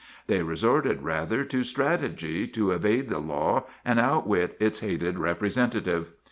They re sorted, rather, to strategy to evade the law and out wit its hated representative.